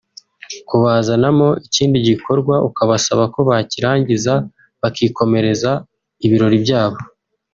Kubazanamo ikindi gikorwa ukabasaba ko bakirangiza bakikomereza ibirori byabo